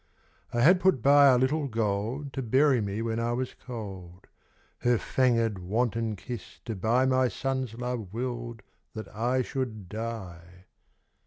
— I had put by a little gold To bury me when I was cold. Her fanged, wanton kiss to buy My son's love willed that I should die.